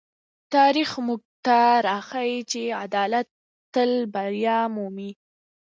تاریخ موږ ته راښيي چې عدالت تل بریا مومي.